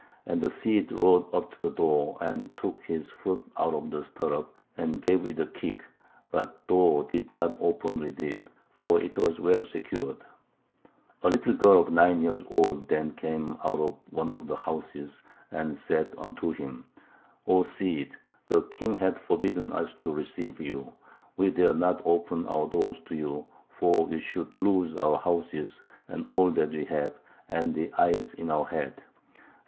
And the Cid rode up to the door, and took his foot out of the stirrup, and gave it a kick, but the door did not open with it, for it was well secured; a little girl of nine years old then came out of one of the houses and said unto him, O Cid, the king hath forbidden us to receive you. We dare not open our doors to you, for we should lose our houses and all that we have, and the eyes in our head.